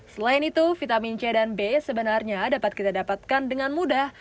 selain itu vitamin c dan b sebenarnya dapat kita dapatkan dengan mudah